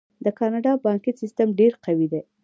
د کاناډا بانکي سیستم ډیر قوي دی.